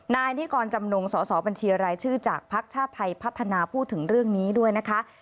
นายนิกรจำนงสอสอบัญชีรายชื่อจากภักดิ์ชาติไทยพัฒนาพูดถึงเรื่องนี้ด้วยนะคะ